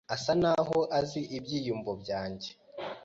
Asa naho azi ibyiyumvo byanjye.